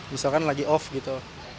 misalkan lagi off gitu